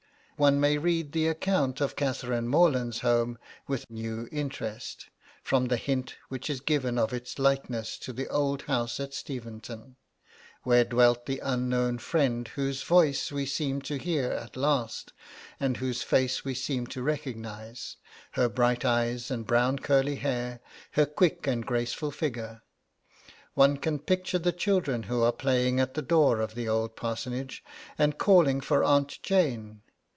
One may read the account of Catherine Morland's home with new interest, from the hint which is given of its likeness to the old house at Steventon, where dwelt the unknown friend whose voice we seem to hear at last, and whose face we seem to recognise, her bright eyes and brown curly hair, her quick and graceful figure. One can picture the children who are playing at the door of the old parsonage, and calling for Aunt Jane.